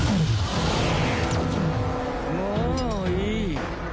もういい。